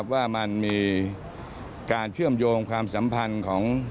ว่ามันมีการเชื่อมโยงความสัมพันธ์ของ